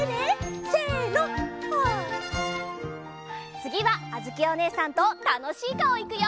つぎはあづきおねえさんとたのしいかおいくよ！